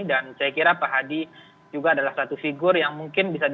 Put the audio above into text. dan saya kira pak hadi juga adalah satu figur yang mungkin bisa diperhatikan